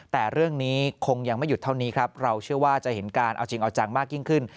แต่เรื่องนี้คงยังไม่หยุดเท่านี้ครับเราเชื่อว่าจะเห็นการเอาจริงเอาจังมากยิ่งขึ้น